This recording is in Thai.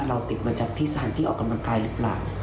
เราติดมาจากที่สถานที่ออกกำลังกายหรือเปล่า